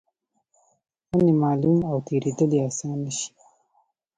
خوند یې معلوم او تېرېدل یې آسانه شي.